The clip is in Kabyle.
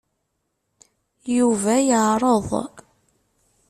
Yuba yeɛreḍ.